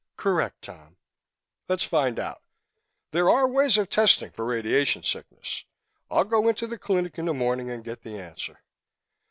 "Correct, Tom." "Let's find out. There are ways of testing for radiation sickness. I'll go into the clinic in the morning and get the answer."